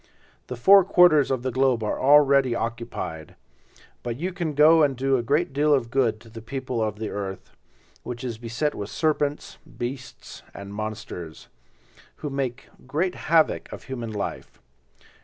The four quarters of the globe are already occupied, but you can go and do a great deal of good to the people of the earth, which is beset with serpents, beasts and monsters, who make great havoc of human life.